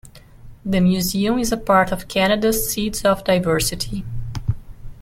The Museum is a part of Canada's Seeds of Diversity.